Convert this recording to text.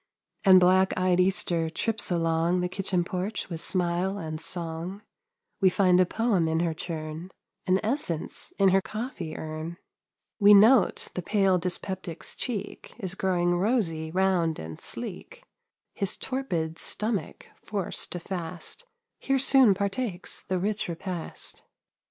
And black eyed Easter trips along The kitchen porch with smile and song, We find a poem in her churn, An essence in her coffee urn; We note the pale dyspeptic's cheek Is growing rosy, round, and sleek; His torpid stomach forced to fast, Here soon partakes the rich repast.